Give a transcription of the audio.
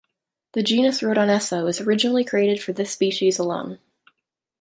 The genus "Rhodonessa" was originally created for this species alone.